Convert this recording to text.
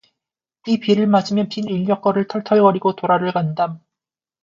이 비를 맞으며 빈 인력거를 털털거리고 돌아를 간담.